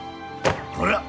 ほら！